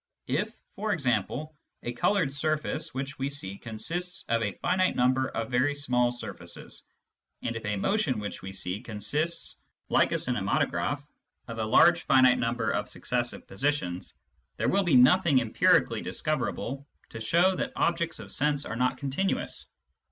If, for example, a coloured surface which we see consists of a finite number of very small surfaces, and if a motion which we see consists, like a cinematograph, of a large finite number of successive positions, there will be nothing empirically discoverable to show that objects of sense are not continuous.